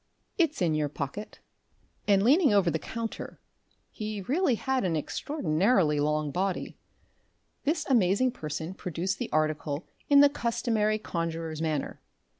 "It's in your pocket." And leaning over the counter he really had an extraordinarily long body this amazing person produced the article in the customary conjurer's manner.